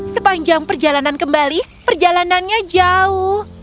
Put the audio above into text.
sepanjang perjalanan kembali perjalanannya jauh